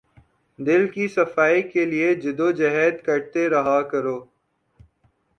دل کی صفائی کے لیے جد و جہد کرتے رہا کرو